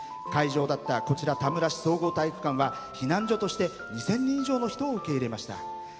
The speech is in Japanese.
会場だった田村市総合体育館は避難所として２０００人以上の人を受け入れました。